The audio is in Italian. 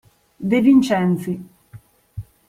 De Vincenzi.